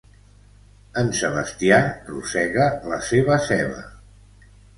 En Sebastià rosega la seva ceba.